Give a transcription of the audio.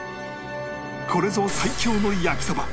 これぞ最強の焼きそば